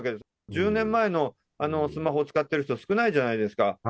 １０年前のスマホ使っている人、少ないじゃないですか。